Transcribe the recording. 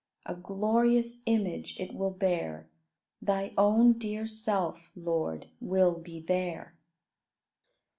A glorious image it will bear, Thy own dear Self, Lord, will be there!